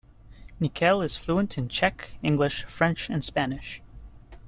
Nykl is fluent in Czech, English, French and Spanish.